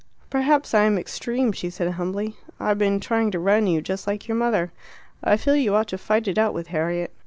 "Perhaps I am extreme," she said humbly. "I've been trying to run you, just like your mother. I feel you ought to fight it out with Harriet.